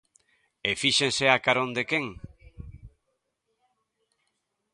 E fíxense a carón de quen.